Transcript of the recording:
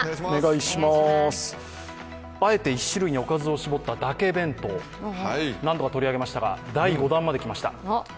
あえて１種類におかずを絞っただけ弁当、何度か取り上げましたが第５弾まできました。